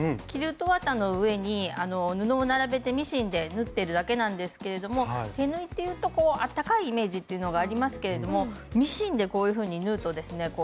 キルト綿の上に布を並べてミシンで縫ってるだけなんですけれども手縫いっていうとこうあったかいイメージっていうのがありますけれどもミシンでこういうふうに縫うとですね